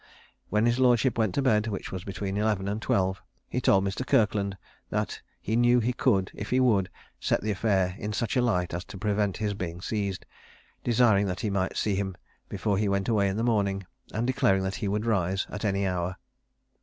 When his lordship went to bed, which was between eleven and twelve, he told Mr. Kirkland that he knew he could, if he would, set the affair in such a light as to prevent his being seized, desiring that he might see him before he went away in the morning, and declaring that he would rise at any hour.